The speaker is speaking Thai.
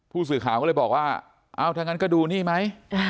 ผู้สื่อข่าวก็เลยบอกว่าเอ้าถ้างั้นก็ดูนี่ไหม